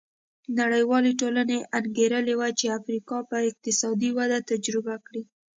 نړیوالې ټولنې انګېرلې وه چې افریقا به اقتصادي وده تجربه کړي.